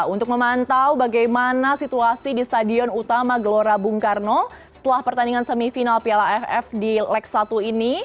untuk memantau bagaimana situasi di stadion utama gelora bung karno setelah pertandingan semifinal piala aff di leg satu ini